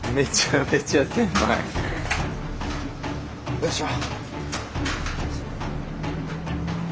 よいしょ。